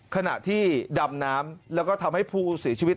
ขณะที่ดำน้ำแล้วก็ทำให้ผู้เสียชีวิต